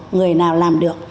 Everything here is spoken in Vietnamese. người nào làm được